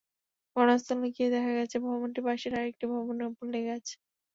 ঘটনাস্থলে গিয়ে দেখা গেছে, ভবনটি পাশের আরেকটি ভবনের ওপর লেগে গেছে।